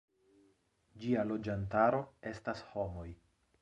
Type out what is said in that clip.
Ĝia loĝantaro estas homoj.